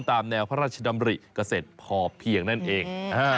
ตามแนวพระราชดำริเกษตรพอเพียงนั่นเอง